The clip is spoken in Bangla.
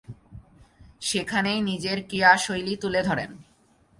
সেখানেই নিজের ক্রীড়াশৈলী তুলে ধরেন।